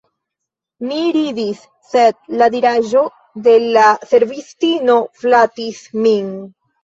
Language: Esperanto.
Mi ridis, sed la diraĵo de la servistino flatis min.